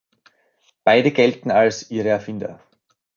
Beide gelten als ihre Erfinder.